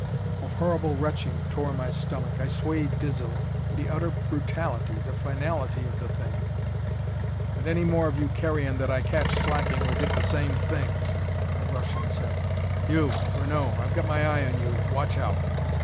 A horrible retching tore my stomach; I swayed dizzily. The utter brutality, the finality of the thing! "And any more of you carrion that I catch slacking will get the same thing," the Russian said. "You, Renaud, I've got my eye on you. Watch out!"